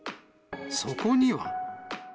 そこには。